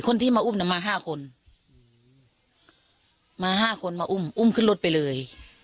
คนที่มาอุ้มน่ะมาห้าคนมาห้าคนมาอุ้มอุ้มขึ้นรถไปเลย